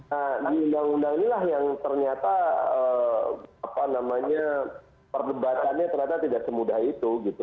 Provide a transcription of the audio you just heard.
nah di undang undang inilah yang ternyata perdebatannya ternyata tidak semudah itu gitu